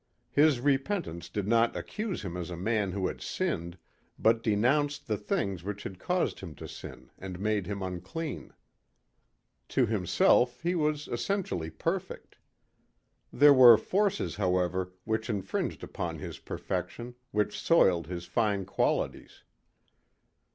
His repentance did not accuse him as a man who had sinned but denounced the things which had caused him to sin and made him unclean. To himself he was essentially perfect. There were forces, however, which infringed upon his perfection, which soiled his fine qualities.